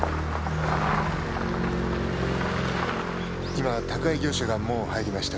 今宅配業者が門を入りました。